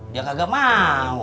dia kagak mau